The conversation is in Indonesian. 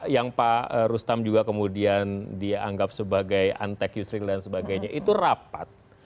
yang pak rustam juga kemudian dianggap sebagai antek yusril dan sebagainya itu rapat